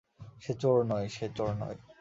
সে চোর নয়, সে চোর নয়!